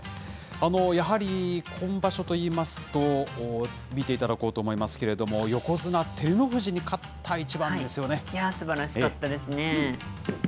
やはり今場所といいますと、見ていただこうと思いますけれども、横綱・照ノ富士に勝った一番すばらしかったですね。